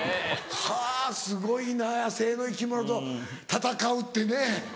はぁすごいな野生の生き物と戦うってね。